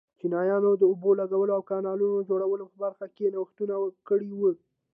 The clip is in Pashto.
چینایانو د اوبو لګولو او کانالونو جوړولو په برخه کې نوښتونه کړي وو.